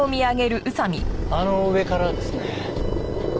あの上からですね。